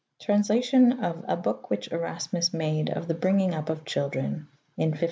[8. Translation of "a boke which Erasmus made of the bringing upp of children": in 1534.